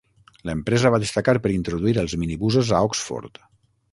L'empresa va destacar per introduir els minibusos a Oxford.